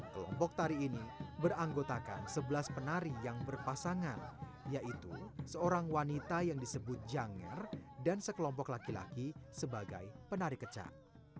kelompok tari ini beranggotakan sebelas penari yang berpasangan yaitu seorang wanita yang disebut janger dan sekelompok laki laki sebagai penari kecang